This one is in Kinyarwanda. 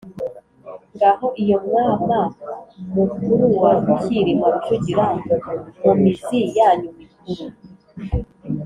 Ngaho iyo mwama mukuru wa Cyilima Rujugira mu mizi yanyu mikuru.